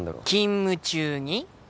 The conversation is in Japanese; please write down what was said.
勤務中に？